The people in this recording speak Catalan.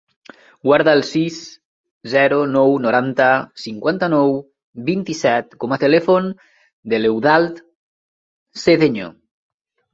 Guarda el sis, zero, nou, noranta, cinquanta-nou, vint-i-set com a telèfon de l'Eudald Sedeño.